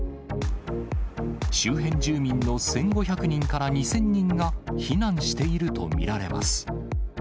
周辺住民の１５００人から２０００人が避難していると見られます。